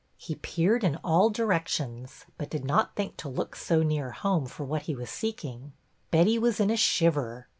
He peered in all directions, but did not think to look so near home for what he was seek ing. Betty was in a shiver.